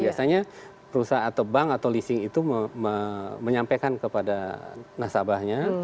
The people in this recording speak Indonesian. biasanya perusahaan atau bank atau leasing itu menyampaikan kepada nasabahnya